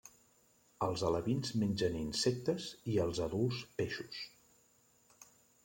Els alevins mengen insectes i els adults peixos.